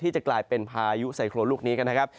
จะกลายเป็นพายุไซโครนลูกนี้กันนะครับ